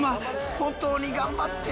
本当に頑張って！